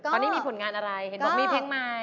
ตอนนี้มีผลงานอะไรเห็นบอกมีเพลงใหม่